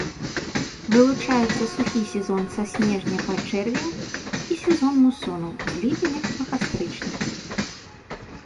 Вылучаюцца сухі сезон са снежня па чэрвень і сезон мусонаў з ліпеня па кастрычнік.